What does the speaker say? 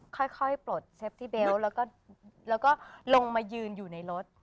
ค่อยปลดเซฟตี้เบลต์แล้วก็ลงมายืนอยู่ในรถ